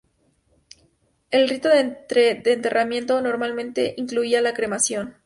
El rito de enterramiento normalmente incluía la cremación.